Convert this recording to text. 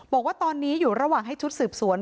บอกว่าตอนนี้อยู่ระหว่างให้ชุดสืบสวน